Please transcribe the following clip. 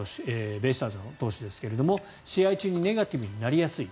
ベイスターズの投手ですが試合中にネガティブになりやすい。